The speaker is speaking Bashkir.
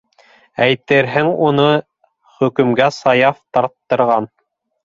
Әйтерһең, уны хөкөмгә Саяф тарттырған!